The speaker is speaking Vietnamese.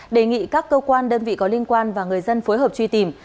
đề nghị các cơ quan đơn vị có liên quan và người dân phối hợp truy tìm